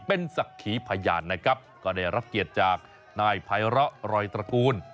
เป็นศักดิ์ขีพยานนะครับก็ได้รับเกียรติจากนายไพร้อรอยตระกูล